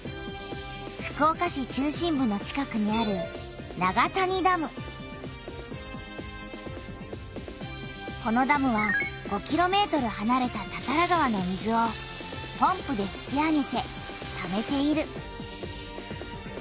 福岡市中心部の近くにあるこのダムは５キロメートルはなれた多々良川の水をポンプで引き上げてためている。